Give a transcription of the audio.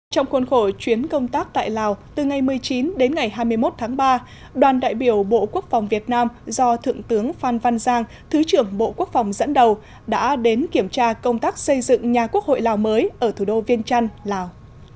trong khuôn khổ chuyến công tác tại lào từ ngày một mươi chín đến ngày hai mươi một tháng ba đoàn đại biểu bộ quốc phòng việt nam do thượng tướng phan văn giang thứ trưởng bộ quốc phòng dẫn đầu đã đến kiểm tra công tác xây dựng nhà quốc hội lào mới ở thủ đô viên trăn lào